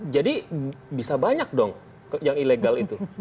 jadi bisa banyak dong yang ilegal itu